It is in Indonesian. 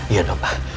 iya dong pak